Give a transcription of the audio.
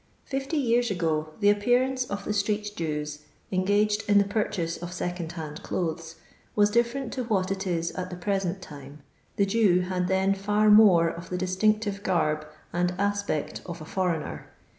Fmr years ago the appearance of the street Jews^ engaged in the fnrchase of second hand clothes, was different to what it is at the present time. The Jew then had fiir more of the distinctive garb and aspect of a foreigner.